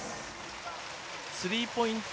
スリーポイント